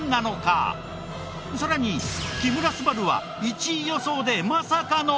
さらに木村昴は１位予想でまさかの！